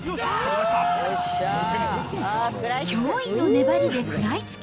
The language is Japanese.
驚異の粘りで食らいつき。